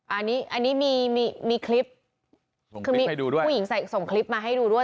อันนี้อันนี้มีมีมีคลิปส่งคลิปให้ดูด้วยคือมีผู้หญิงส่งคลิปมาให้ดูด้วย